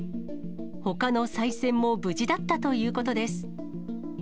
ほかのさい銭も無事だったということです。